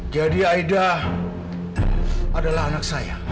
jadi aida adalah anak saya